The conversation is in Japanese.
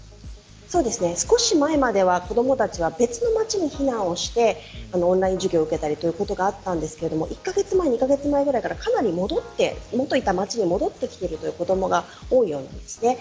少し前までは子どもたちは別の町に避難してオンライン授業を受けたりということがあったんですが１カ月前、２カ月前ぐらいからかなり戻って元いた町に戻ってきてる子どもが多いようです。